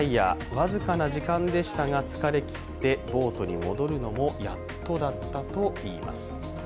僅かな時間でしたが、疲れ切ってボートに戻るのもやっとだったと言います。